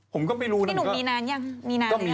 ผมก็ไม่รู้พี่หนุ่มมีนานหรือยัง